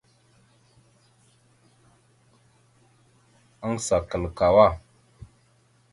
Aŋgəsa kal kawá.